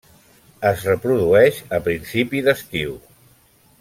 Es reprodueix a principi d'estiu.